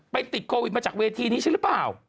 ติดโควิดมาจากเวทีนี้ใช่หรือเปล่า